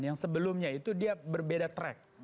yang sebelumnya itu dia berbeda track